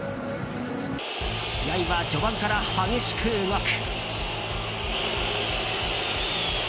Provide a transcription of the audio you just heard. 試合は序盤から激しく動く。